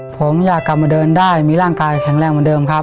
ผมอยากกลับมาเดินได้มีร่างกายแข็งแรงเหมือนเดิมครับ